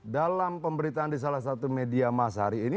dalam pemberitaan di salah satu media masyarakat ini